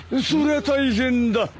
それは大変だ！